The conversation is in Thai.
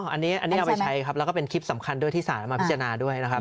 อันนี้เอาไปใช้ครับแล้วก็เป็นคลิปสำคัญด้วยที่สารมาพิจารณาด้วยนะครับ